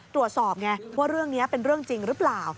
ตรวจสอบไงว่าเรื่องนี้เป็นเรื่องจริงหรือเปล่า